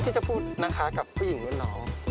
ที่จะพูดนะคะกับผู้หญิงรุ่นน้อง